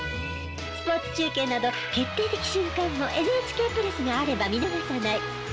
スポーツ中継など決定的瞬間もＮＨＫプラスがあれば見逃さない。